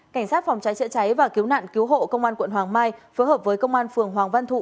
cảnh sát phòng trái trợ trái và cứu nạn cứu hộ công an quận hoàng mai phối hợp với công an phường hoàng văn thụ